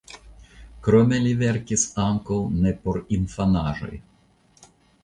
Krome li verkis ankaŭ neporinfanaĵoj.